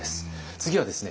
次はですね